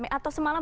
atau dari semalam